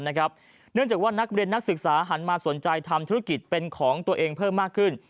เนื่องจากว่านักเรียนนักศึกษาหันมาสนใจทำธุรกิจเป็นของตัวเองเพิ่มมากขึ้น